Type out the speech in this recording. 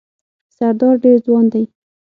سردار ډېر ځوان دی.